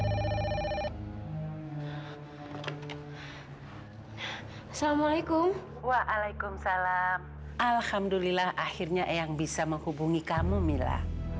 assalamualaikum waalaikumsalam alhamdulillah akhirnya eyang bisa menghubungi kamu mila